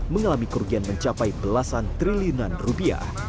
mengalami kerugian mencapai belasan triliunan rupiah